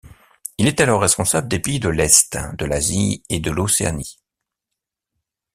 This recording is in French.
Il est alors responsable des pays de l'Est, de l'Asie et de l'Océanie.